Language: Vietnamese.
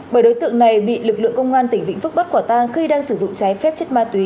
bởi đối tượng này bị lực lượng công an tỉnh vịnh phúc bắt quả tàng khi đang sử dụng chai phép chất ma túy